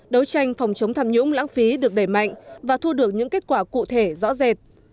đấu tranh phòng chống tham nhũng lãng phí được đẩy mạnh và thu được những kết quả cụ thể rõ rệt